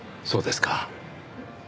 そうですか。